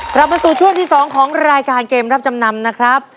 กลับมาสู่ช่วงที่๒ของรายการเกมรับจำนำนะครับ